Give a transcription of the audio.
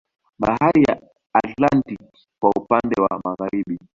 Bahari ya Atlantiki kwa upande wa Magharibi